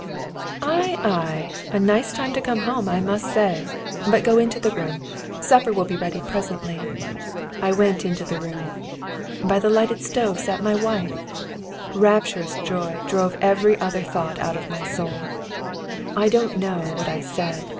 "Ei, ei! A nice time to come home, I must say! But go into the room supper will be ready presently." I went into the room. By the lighted stove sat my wife! Rapturous joy drove every other thought out of my soul. I don't know what I said.